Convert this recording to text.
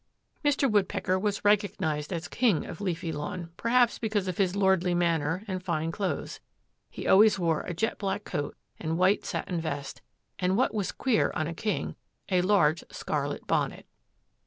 Mr. Woodpecker was recognized as king of Leafy Lawn, perhaps because of his lordly manner and fine clothes. He always wore a jet black coat and white satin vest, and what was queer on a king, a large scarlet bonnet.